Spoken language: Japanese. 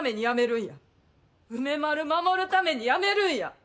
梅丸守るためにやめるんや！